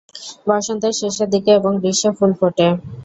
বসন্তের শেষের দিকে এবং গ্রীষ্মে ফুল ফোটে।